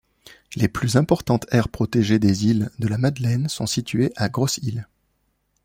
Les plus importantes aires protégées des îles de la Madeleine sont situées à Grosse-Île.